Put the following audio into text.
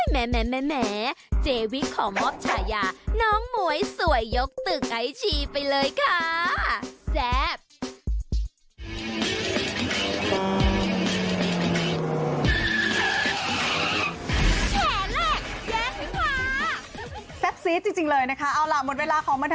แหมเจวิขอมอบฉายาน้องหมวยสวยยกตึกไอชีไปเลยค่ะ